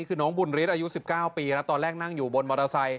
คือน้องบุญฤทธิอายุ๑๙ปีแล้วตอนแรกนั่งอยู่บนมอเตอร์ไซค